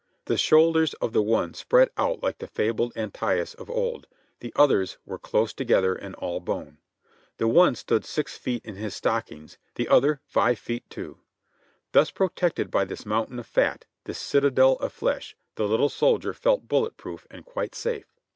The shoulders of the one spread out like the fabled Antaeus of old, — the other's were close together and all bone. The one stood six feet in his stockings, the other five feet two. Thus protected by this mountain of fat, this citadel of flesh, the little soldier felt bullet proof and quite safe.